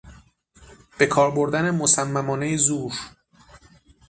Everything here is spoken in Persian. به کار بردن مصممانهی زور